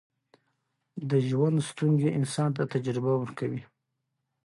د ژوند ستونزې انسان ته تجربه ورکوي.